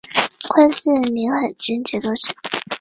官至临海军节度使。